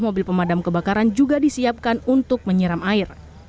mobil pemadam kebakaran juga disiapkan untuk menyiram air